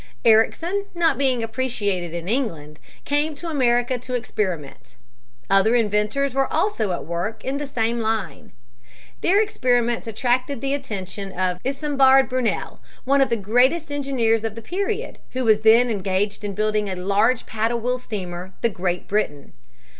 Ericsson, not being appreciated in England, came to America to experiment. Other inventors were also at work in the same line. Their experiments attracted the attention of Isambard Brunel, one of the greatest engineers of the period, who was then engaged in building a large paddle wheel steamer, the Great Britain.